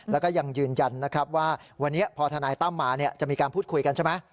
แล้วก็ยังยืนยันนะครับว่าวันนี้พอทนายตั้มมาจะมีการพูดคุยกันใช่ไหม